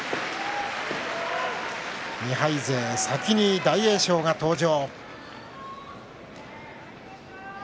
２敗勢、先に大栄翔が登場。